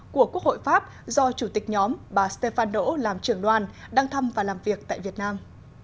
của quốc hội pháp do chủ tịch nhóm bà stéphane đỗ làm trưởng đoàn đang thăm và làm việc tại việt nam